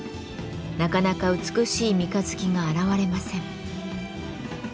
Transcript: なかなか美しい三日月が現れません。